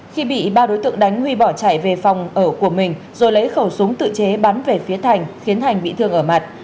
khi bị ba đối tượng đánh huy bỏ chạy về phòng ở của mình rồi lấy khẩu súng tự chế bắn về phía thành khiến thành bị thương ở mặt